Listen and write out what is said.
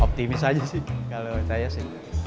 optimis aja sih kalau saya sih